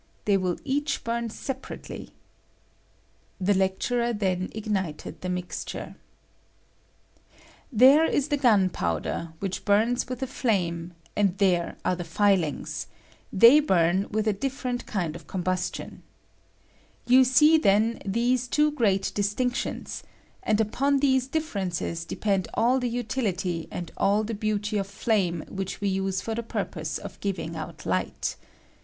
They will eaeh bum separately. [The lecturer then ignited the mixture.] There ia the gunpowder, which burns with a flame, and there are the filings: they bum with a different kind of com D p 50 C0iIB03TI0N OF LTCOPODIUM. buBtion, You see, then, these two great dis tinctions ; and upon these differences depend all the utihty and all the beauty of flame ■which we use for the purpose of giving out light.